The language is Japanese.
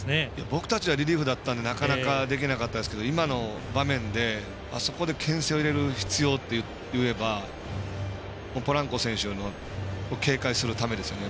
僕たちはリリーフだったので、なかなかできなかったですけど今の場面でけん制を入れる必要っていえばポランコ選手の警戒するためですよね。